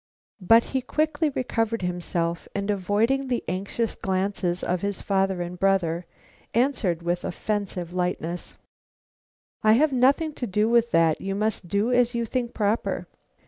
But he quickly recovered himself, and avoiding the anxious glances of his father and brother, answered with offensive lightness: "I have nothing to do with that. You must do as you think proper."